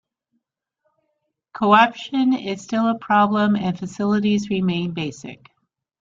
Corruption is still a problem and facilities remain basic.